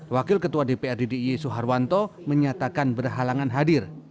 wakil ketua dprd d i e soeharto menyatakan berhalangan hadir